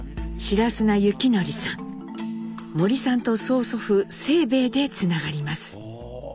森さんと曽祖父「清兵衛」でつながります。